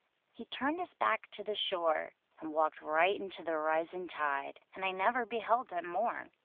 He turned his back to the shore, And walked right into the risin' tide, And I never beheld him more.